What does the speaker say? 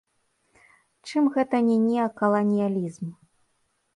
Чым гэта не неакаланіялізм?